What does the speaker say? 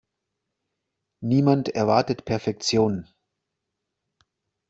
Niemand erwartet Perfektion.